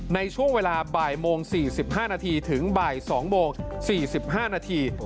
ในช่วงเวลาบ่ายโมง๔๕นาทีถึงบ่าย๒โมง๔๕นาที